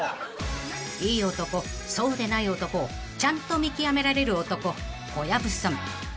［いい男そうでない男をちゃんと見極められる男小籔さん］